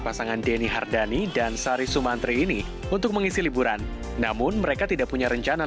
pasangan denny hardani dan sari sumantri ini untuk mengisi liburan namun mereka tidak punya rencana